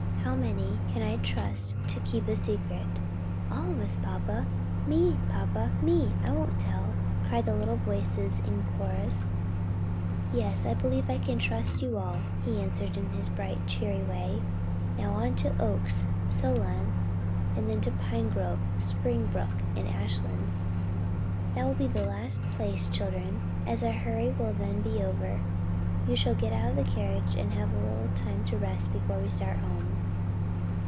how many can I trust to keep a secret?" "All of us, papa!" "Me, papa, me, I won't tell," cried the little voices in chorus. "Yes, I believe I can trust you all," he answered in his bright cheery way. "Now on to the Oaks, Solon, then to Pinegrove, Springbrook, and Ashlands. That will be the last place, children, and as our hurry will then be over, you shall get out of the carriage and have a little time to rest before we start for home."